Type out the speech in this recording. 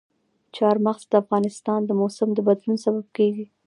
چار مغز د افغانستان د موسم د بدلون سبب کېږي.